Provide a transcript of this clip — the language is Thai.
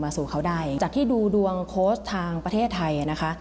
สู่เขาได้จากที่ดูดวงโค้ชทางประเทศไทยนะคะ